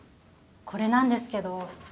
これなんですけど。